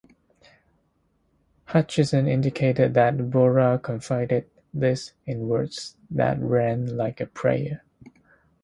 Hutchinson indicated that Borah confided this in words that ran like a prayer.